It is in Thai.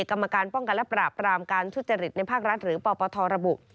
กรรมการป้องกันและปราบปรามการทุจริตในภาครัฐหรือปปทระบุ